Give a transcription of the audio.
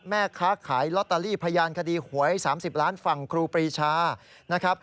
แม่ค้าขายลอตตาลีพยานคดีหวย๓๐ล้านฝั่งครูปรีชา